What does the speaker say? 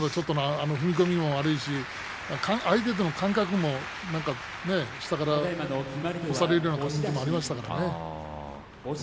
踏み込みも悪いし相手の感覚も何か下から押されるようなところがありましたね。